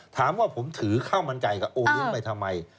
ถามว่าผมถือข้าวมันไก่กับโอเลี้ยงไปทำไม